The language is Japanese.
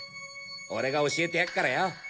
俺が教えてやっからよ。